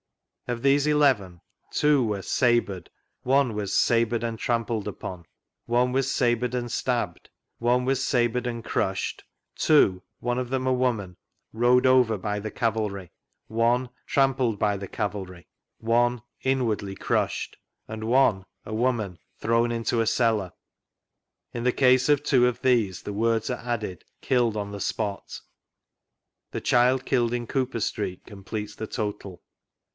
Of these eleven: two were "sabred;" one was "sabred and trampled upon;" one was sabred and stabbed;" one "sabred and crushed;" two (one of them a woman) "rode over by the cavalry;" one "trampled by the cavalry;" one "inwardly crushed;" and one (a woman) " thrown into a cellar." In the case of two of these the words are added " Idlled on the spot." The child killed in Cooper Street completes the total.